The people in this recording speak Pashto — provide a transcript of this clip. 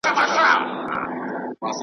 نه څوک یو قدم ځي شاته نه څوک یو قدم تمیږي .